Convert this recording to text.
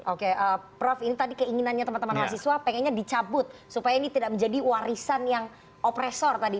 oke prof ini tadi keinginannya teman teman mahasiswa pengennya dicabut supaya ini tidak menjadi warisan yang opresor tadi